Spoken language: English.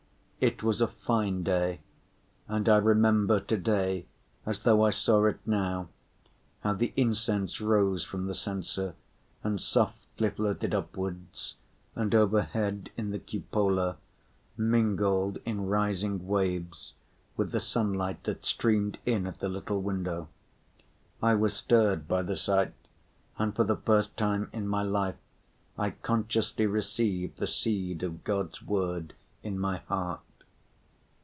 It was a fine day, and I remember to‐day, as though I saw it now, how the incense rose from the censer and softly floated upwards and, overhead in the cupola, mingled in rising waves with the sunlight that streamed in at the little window. I was stirred by the sight, and for the first time in my life I consciously received the seed of God's word in my heart.